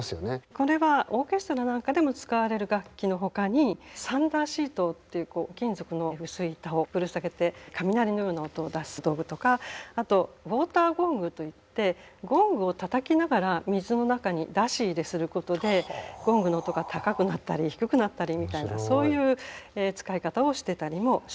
これはオーケストラなんかでも使われる楽器のほかにサンダーシートっていう金属の薄い板をぶら下げて雷のような音を出す道具とかあとウォーターゴングといってゴングをたたきながら水の中に出し入れすることでゴングの音が高くなったり低くなったりみたいなそういう使い方をしてたりもします。